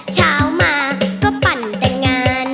เช้ามาก็ปั่นแต่งงาน